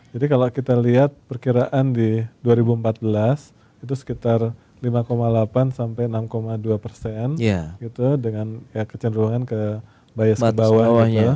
jadi kalau kita lihat perkiraan di dua ribu empat belas itu sekitar lima delapan sampai enam dua persen gitu dengan kecenderungan ke bias ke bawah